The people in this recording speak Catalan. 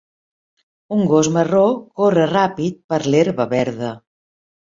Un gos marró corre ràpid per l'herba verda.